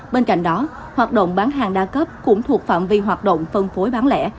bên cạnh đó hoạt động bán hàng đa cấp cũng thuộc phạm vi hoạt động phân phối bán lẻ